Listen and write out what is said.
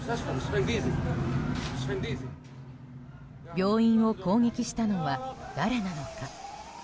病院を攻撃したのは誰なのか？